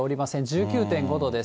１９．５度です。